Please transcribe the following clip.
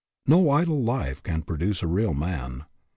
No idle life can produce a real man.